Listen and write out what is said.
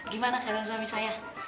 gimana kehendak suami saya